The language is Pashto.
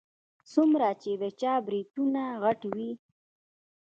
څومره چې د چا برېتونه غټ وي.